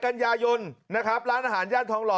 ๘กัญญายนร้านอาหารย่านทองหล่อ